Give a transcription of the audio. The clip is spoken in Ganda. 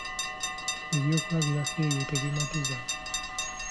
Ebyokulabirako ebyo tebimatiza.